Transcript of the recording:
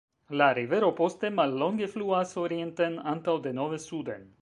La rivero poste mallonge fluas orienten antaŭ denove suden.